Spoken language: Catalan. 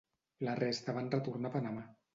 La resta van retornar a Panamà.